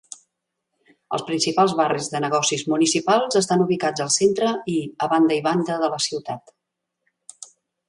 Els principals barris de negocis municipals estan ubicats al centre i a banda i banda de la ciutat.